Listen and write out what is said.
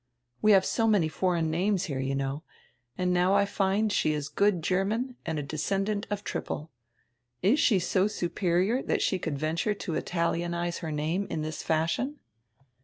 We have so many foreign names here, you know. And now I find she is good German and a descendant of Trippel. Is she so superior that she could venture to Italianize her name in diis fashion?"